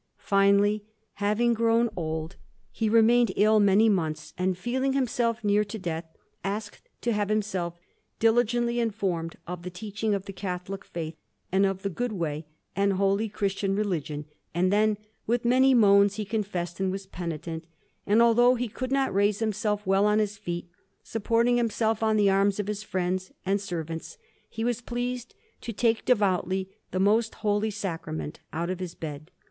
Finally, having grown old, he remained ill many months, and, feeling himself near to death, asked to have himself diligently informed of the teaching of the Catholic faith, and of the good way and holy Christian religion; and then, with many moans, he confessed and was penitent; and although he could not raise himself well on his feet, supporting himself on the arms of his friends and servants, he was pleased to take devoutly the most holy Sacrament, out of his bed.